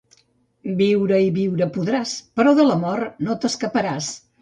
Viure i viure podràs, però de la mort no t'escaparàs.